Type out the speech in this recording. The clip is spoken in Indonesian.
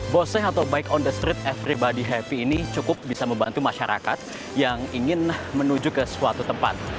boseh atau bike on the street everybody happy ini cukup bisa membantu masyarakat yang ingin menuju ke suatu tempat